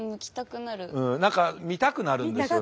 何か見たくなるんですよ